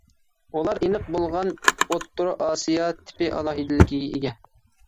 ئۇلار ئېنىق بولغان ئوتتۇرا ئاسىيا تىپى ئالاھىدىلىكىگە ئىگە.